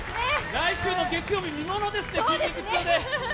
来週の月曜日見ものですね、筋肉痛で。